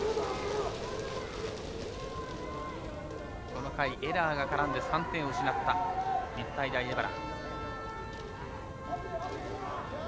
この回エラーが絡んで３点を失った日体大荏原。